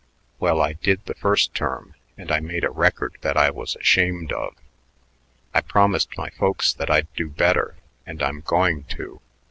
Well, I did the first term, and I made a record that I was ashamed of. I promised my folks that I'd do better; and I'm going to.